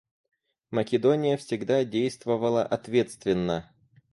Македония всегда действовала ответственно.